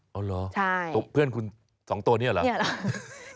อ๋อเหรอเพื่อนคุณ๒ตัวเนี่ยเหรอเหรอ